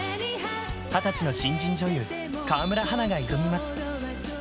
２０歳の新人女優、河村花が挑みます。